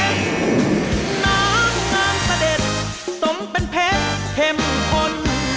น้ำงานพระเด็จสมเป็นเพชรเผ็มคน